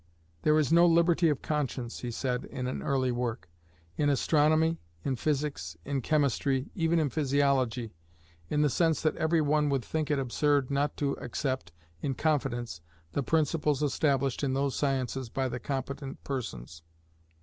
"There is no liberty of conscience," he said in an early work, "in astronomy, in physics, in chemistry, even in physiology, in the sense that every one would think it absurd not to accept in confidence the principles established in those sciences by the competent persons.